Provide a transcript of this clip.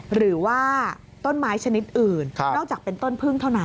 หรือว่าต้นไม้ชนิดอื่นนอกจากเป็นต้นพึ่งเท่านั้น